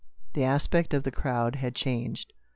The aspect of the crowd had changed.